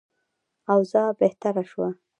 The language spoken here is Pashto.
اوضاع بهتره شوه.